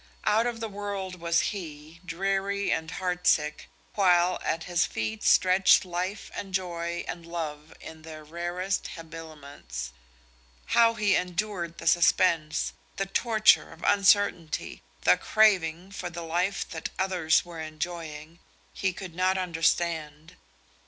Out of the world was he, dreary and heartsick, while at his feet stretched life and joy and love in their rarest habiliments. How he endured the suspense, the torture of uncertainty, the craving for the life that others were enjoying, he could not understand.